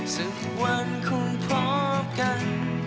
สักวันคงพบกัน